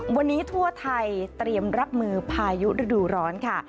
วันนี้ทั่วไทยเตรียมรับมือพายุฤดูร้อนค่ะ